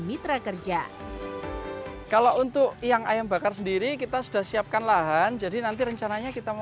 mitra kerja kalau untuk yang ayam bakar sendiri kita sudah siapkan lahan jadi nanti rencananya kita mau